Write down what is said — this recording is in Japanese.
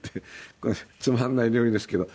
これつまんない料理ですけど。